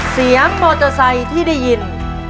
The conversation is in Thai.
เสียงมอเตอร์ไซค์ที่ได้ยิน